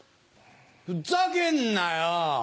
ふざけんなよ。